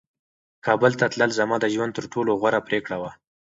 کابل ته تلل زما د ژوند تر ټولو غوره پرېکړه وه.